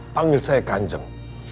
panggil saya kanjeng